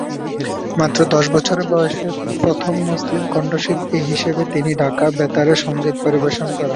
মাত্র দশ বছর বয়সে প্রথম মুসলিম কণ্ঠশিল্পী হিসেবে তিনি ঢাকা বেতারে সঙ্গীত পরিবেশন করেন।